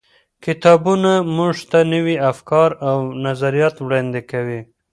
کتابونه موږ ته نوي افکار او نظریات وړاندې کوي.